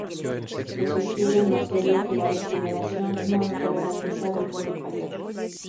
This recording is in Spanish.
Se sugiere en la serie que la regeneración no está garantizada y puede fallar.